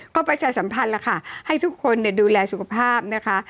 ก็ประชาสัมพันธ์แล้วค่ะให้ทุกคนดูแลสุขภาพนะคะ